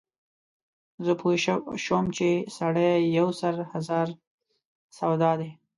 زه پوی شوم چې سړی یو سر هزار سودا دی.